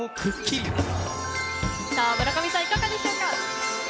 村上さん、いかがでしょうか？